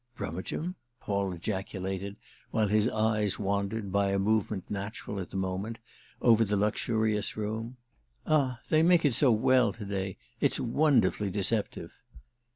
"Brummagem?" Paul ejaculated while his eyes wandered, by a movement natural at the moment, over the luxurious room. "Ah they make it so well to day—it's wonderfully deceptive!"